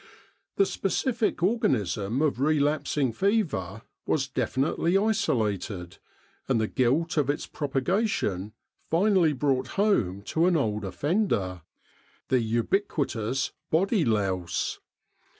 The specific organism of relapsing fever was de finitely isolated, and the guilt of its propagation finally brought home to an old offender the ubiquit ous body louse.